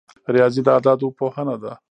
ریاضي د اعدادو پوهنه ده